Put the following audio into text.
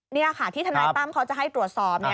นี่ค่ะที่ทนายตั้มเขาจะให้ตรวจสอบ